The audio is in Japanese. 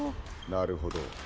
なるほど。